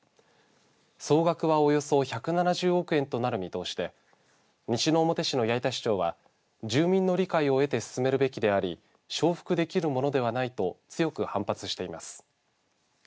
総額は、およそ１７０億円となる見通しで西之表市の八板市長は住民の理解を得て進めるべきであり承服できるものではないと強く反発しています。